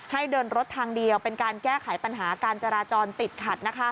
ให้เดินรถทางเดียวเป็นการแก้ไขปัญหาการจราจรติดขัด